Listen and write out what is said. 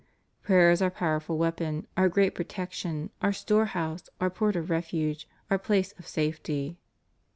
''Prayer is our powerful weapon, our great protection, our storehouse, our port of refuge, our place of safety."